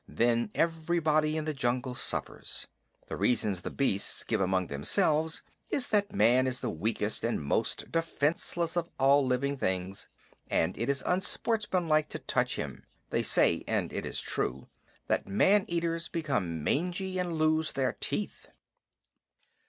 Then everybody in the jungle suffers. The reason the beasts give among themselves is that Man is the weakest and most defenseless of all living things, and it is unsportsmanlike to touch him. They say too and it is true that man eaters become mangy, and lose their teeth.